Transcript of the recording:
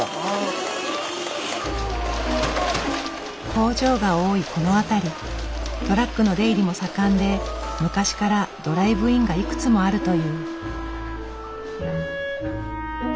工場が多いこの辺りトラックの出入りも盛んで昔からドライブインがいくつもあるという。